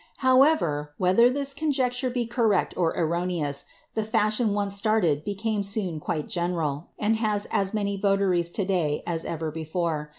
However, whether this conjecture be correct or erroneous, the fashion once started became soon quite general and has as many votaries to day as ever before.